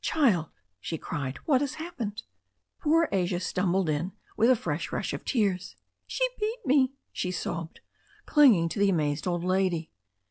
"Child," she cried, "what has hap pened ?" Poor Asia stumbled in with a fresh rush of tears. "She beat me," she sobbed, clinging to the amazed old lady.